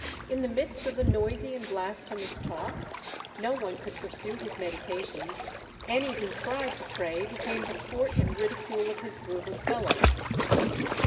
In the midst of the noisy and blasphemous talk no one could pursue his meditations; any who tried to pray became the sport and ridicule of his brutal fellows.